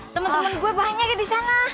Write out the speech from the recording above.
temen temen gue banyak ya di sana